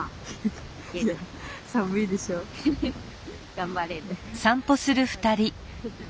頑張れる。